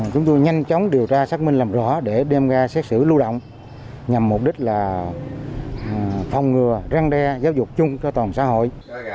chúng tôi nhanh chóng điều tra xác minh làm rõ để đem ra xét xử lưu động nhằm mục đích là phòng ngừa răng đe giáo dục chung cho toàn xã hội